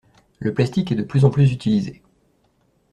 Le plastique est de plus en plus utilisé.